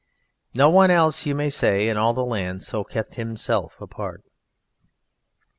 No one else you may say in all the land so kept himself apart.